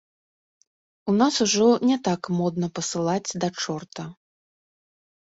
У нас ужо не так модна пасылаць да чорта.